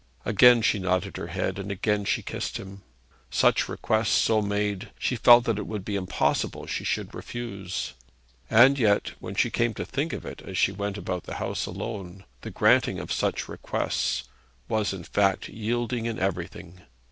Again she nodded her head, and again she kissed him. Such requests, so made, she felt that it would be impossible she should refuse. And yet when she came to think of it as she went about the house alone, the granting of such requests was in fact yielding in everything.